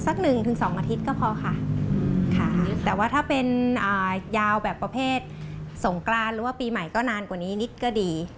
หนึ่งถึงสองอาทิตย์ก็พอค่ะแต่ว่าถ้าเป็นยาวแบบประเภทสงกรานหรือว่าปีใหม่ก็นานกว่านี้นิดก็ดี